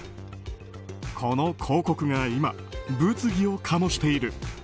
この広告が今、物議を醸している。